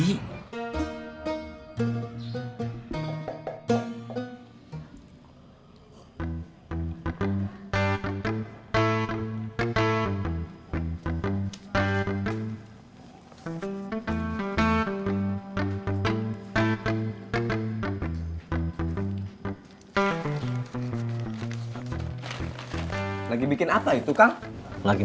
sekarang dukunnya lagi dikejar polisi